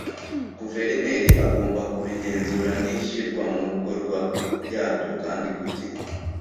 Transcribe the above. Guverineri agomba kubigenzura n’ishyirwamukorwa ryabyo kandi ku gihe.